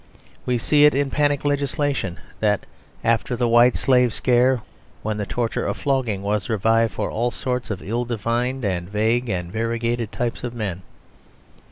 We see it in panic legislation like that after the White Slave scare, when the torture of flogging was revived for all sorts of ill defined and vague and variegated types of men.